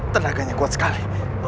tenaganya kuat sekali